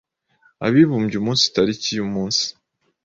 Abibumbye umunsi tariki y,umunsi